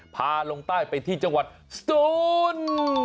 พาลงใต้ไปที่จังหวัดสุน